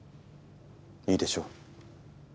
いいでしょう。